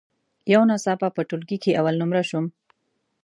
یو ناڅاپه په ټولګي کې اول نمره شوم.